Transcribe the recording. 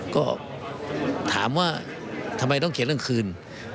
ก็ถามว่าทำไมต้องเขียนเรื่องคืน